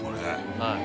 はい。